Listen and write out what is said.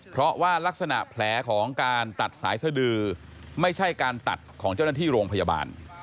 เพราะว่ารักษณะแผลของการตัดสายสดือไม่ใช่การตัดของเจ้าหน้าที่โรงพยาบาล